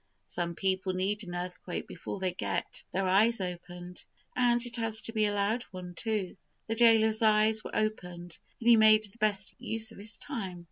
Some people need an earthquake before they get their eyes opened, and it has to be a loud one, too. The gaoler's eyes were opened, and he made the best use of his time.